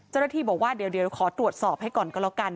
เจ้าหน้าที่บอกว่าเดี๋ยวขอตรวจสอบให้ก่อนก็แล้วกัน